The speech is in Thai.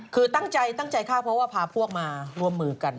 คือตั้งใจตั้งใจฆ่าเพราะว่าพาพวกมาร่วมมือกัน